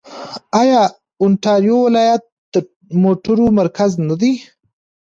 آیا اونټاریو ولایت د موټرو مرکز نه دی؟